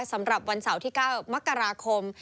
สำหรับวันเสาร์ที่๙มกราคม